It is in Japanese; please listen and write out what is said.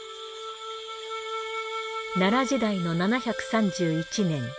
奈良時代の７３１年